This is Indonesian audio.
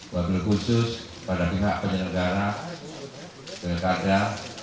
wabih khusus pada pihak penyelenggara dekada